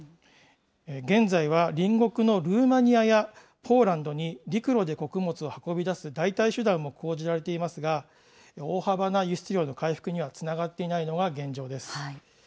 現在は隣国のルーマニアやポーランドに、陸路で穀物を運び出す代替手段も講じられていますが、大幅な輸出量の回復にはつながっていないのが現状です。